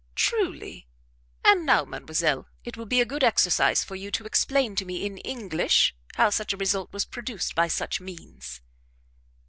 "Truly! And now, mademoiselle, it will be a good exercise for you to explain to me in English how such a result was produced by such means."